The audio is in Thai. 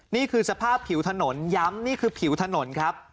นี่คือสภาพผิวถนนย้ำนี่คือผิวถนนครับ